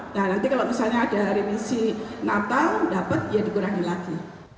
nah nanti kalau misalnya ada remisi natal dapat ya dikurangi lagi